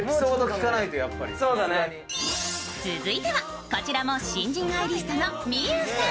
続いては、こちらも新人アイリストのみゆうさん。